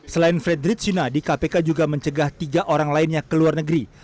selain frederick yunadi kpk juga mencegah tiga orang lainnya ke luar negeri